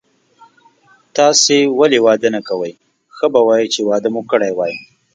تاسي ولي واده نه کوئ، ښه به وای چي واده مو کړی وای.